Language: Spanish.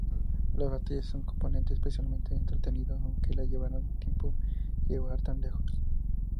Las batallas es un componente especialmente entretenido, aunque le llevará tiempo llegar tan lejos".